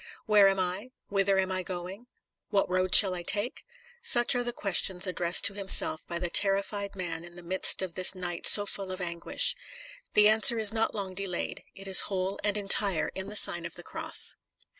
Where am I? Whither am I going? What road shall I take ? Such are the ques tions addressed to himself by the terrified man in the midst of this night so full of anguish. The answer is not long delayed ; it is whole and entire in the Sign of the Cross.